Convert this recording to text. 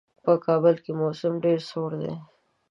په کابل کې موسم ډېر سوړ دی.